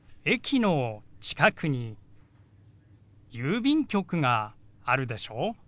駅の近くに郵便局があるでしょ。